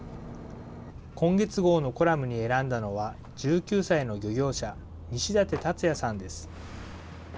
今月号のコラムに選んだのは、１９歳の漁業者、西舘龍哉さんです。